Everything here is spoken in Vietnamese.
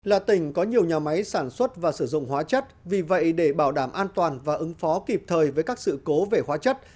là tỉnh có nhiều nhà máy sản xuất và sử dụng hóa chất vì vậy để bảo đảm an toàn và ứng phó kịp thời với các sự cố về hóa chất